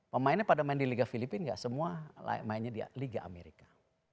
pemainnya pada main di liga filipina gak semua mainnya di liga amerika